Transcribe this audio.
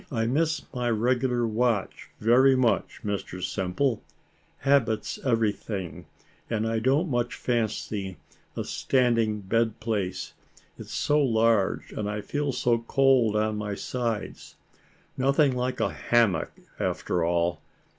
I miss my regular watch very much, Mr Simple habit's every thing and I don't much fancy a standing bed place, it's so large, and I feel so cold of my sides. Nothing like a hammock, after all.